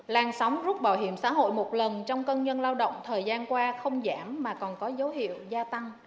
làn sóng rút bảo hiểm xã hội một lần trong công nhân lao động thời gian qua không giảm mà còn có dấu hiệu gia tăng